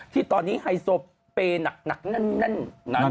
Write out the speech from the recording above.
ที่ตอนนี้ไฮโซเปรย์หนักหนาน้ำ